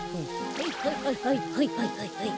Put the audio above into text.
はいはいはいはいはいはいはいはい。